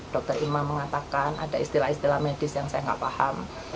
dr imam mengatakan ada istilah istilah medis yang saya nggak paham